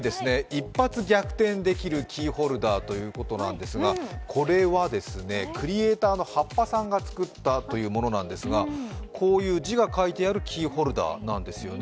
一発逆転できるキーホルダーということなんですが、これはクリエイターのはっぱさんが作ったというものなんですがこういう字が書いてあるキーホルダーなんですよね。